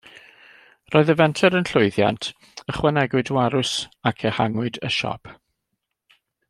Roedd y fenter yn llwyddiant, ychwanegwyd warws ac ehangwyd y siop.